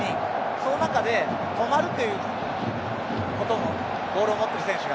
その中で、止まるということボールを持っている選手が。